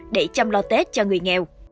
để chăm lo tết cho người nghèo